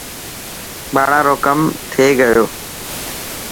ٻاڙا رو ڪم ٿي گيو.